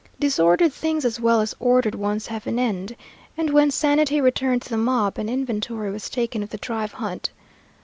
Disordered things as well as ordered ones have an end, and when sanity returned to the mob an inventory was taken of the drive hunt.